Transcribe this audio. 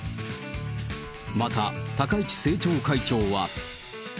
また、高市政調会長は。